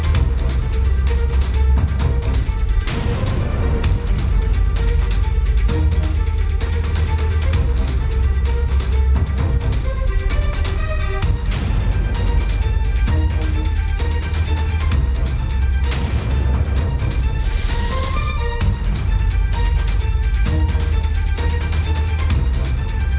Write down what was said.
สนับสนุนโดยทีโพพิเศษถูกอนามัยสะอาดใสไร้คราบ